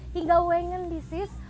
hingga wengen di cis